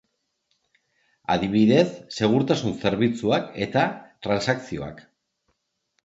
Adibidez, segurtasun zerbitzuak eta transakzioak.